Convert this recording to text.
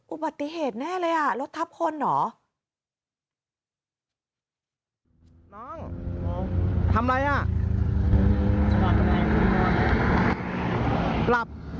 อุบัติเหตุแน่เลยอ่ะรถทับคนเหรอ